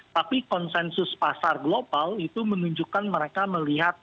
tapi konsensus pasar global itu menunjukkan mereka melihat